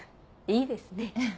いいですね。